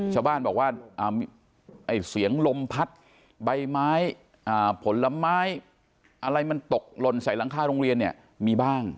ชาวบ้านบอกว่าเสียงลมพัดใบไม้ผลไม้อะไรมันตกหล่นใส่หลังคาโรงเรียนเนี่ยมีบ้าง